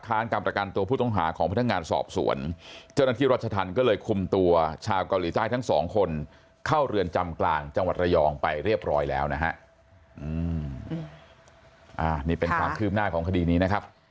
การสอบศูนย์เจ้าหน้าที่รัชธรรมก็เลยคุมตัวชาวเกาหลีใจทั้งสองคนเข้าเรือนจำกลางจังหวัดระยองไปเรียบร้อยแล้วนะฮะอ่านี่เป็นความคลืมหน้าของคดีนี้นะครับ